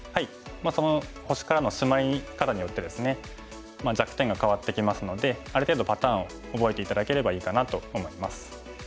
星からのシマリ方によってですね弱点が変わってきますのである程度パターンを覚えて頂ければいいかなと思います。